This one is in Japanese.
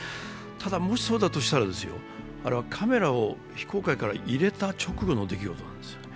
ただ、もしそうだとしたら、あれはカメラを非公開から入れた直後の出来事なんですよ。